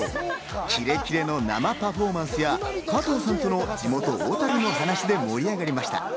キレキレの生パフォーマンスや加藤さんとの小樽の話で盛り上がりました。